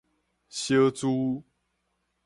小資